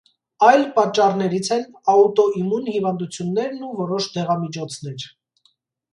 Այլ պատճառներից են աուտոիմուն հիվանդություններն ու որոշ դեղամիջոցներ։